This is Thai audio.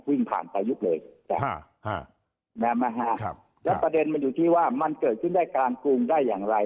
วิ่งผ่านประยุกต์เลยแล้วประเด็นมันอยู่ที่ว่ามันเกิดขึ้นได้กลางกรุงได้อย่างไร